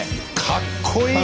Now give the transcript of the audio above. かっこいい！